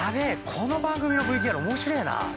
この番組のＶＴＲ面白えな！